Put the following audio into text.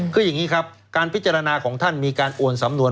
คืออย่างนี้ครับการพิจารณาของท่านมีการโอนสำนวน